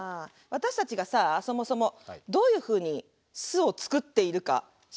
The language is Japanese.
私たちがさそもそもどういうふうに巣をつくっているか知らないでしょ？